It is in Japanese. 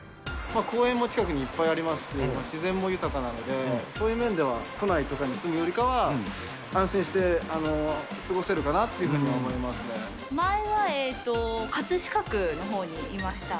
公園も近くにいっぱいありますし、自然も豊かなので、そういう面では、都内とかに住むよりかは安心して過ごせるかなっていうふうには思前は葛飾区のほうにいました。